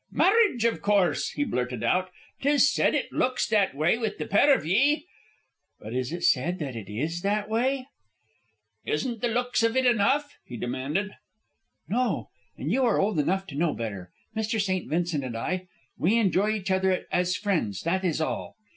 "Marriage, iv course," he blurted out. "'Tis said it looks that way with the pair of ye." "But is it said that it is that way?" "Isn't the looks iv it enough ?" he demanded. "No; and you are old enough to know better. Mr. St. Vincent and I we enjoy each other as friends, that is all.